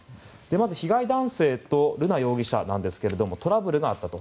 まず被害男性と瑠奈容疑者なんですがトラブルがあったと。